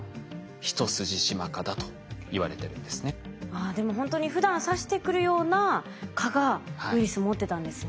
ああでもほんとにふだん刺してくるような蚊がウイルス持ってたんですね。